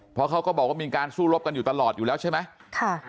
เพราะเขาก็บอกว่ามีการสู้รบกันอยู่ตลอดอยู่แล้วใช่ไหม